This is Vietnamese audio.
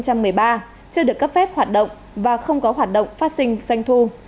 chưa được cấp phép hoạt động và không có hoạt động phát sinh doanh thu